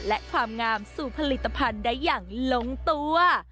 และความงามสู่ผลิตภัณฑ์ได้อย่างลงตัว